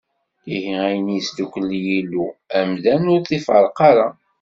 Ihi ayen i yesdukel Yillu, amdan ur t-iferreq ara!